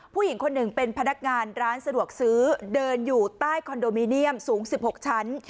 ผู้หญิงคนหนึ่งเป็นพนักงานร้านสะดวกซื้อเดินอยู่ใต้คอนโดมิเนียมสูง๑๖ชั้น